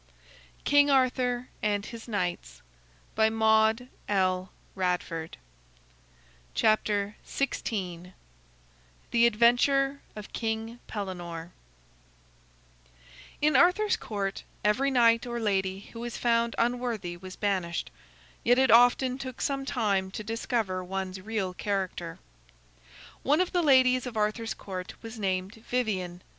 [Illustration: The Shield and the Sword] THE ADVENTURE OF KING PELLENORE In Arthur's Court, every knight or lady who was found unworthy was banished; yet it often took some time to discover one's real character. One of the ladies of Arthur's Court was named Vivien.